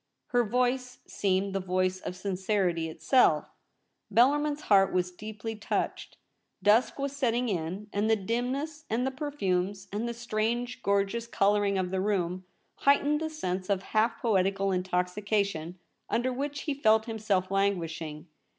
Her voice seemed the voice of sincerity itself. Bellar min's heart was deeply touched. Dusk was setting in, and the dimness and the perfumes, and the strange gorgeous colouring of the room, heightened the sense of half poetical intoxication under which he felt himself languishing.